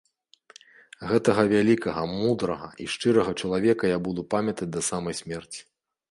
Гэтага вялікага, мудрага і шчырага чалавека я буду памятаць да самай смерці.